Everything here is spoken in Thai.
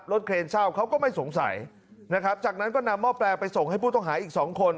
เครนเช่าเขาก็ไม่สงสัยนะครับจากนั้นก็นำหม้อแปลงไปส่งให้ผู้ต้องหาอีกสองคน